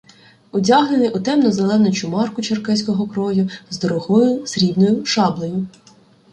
Одягнений у темно- зелену чумарку черкеського крою, з дорогою срібною шаблею.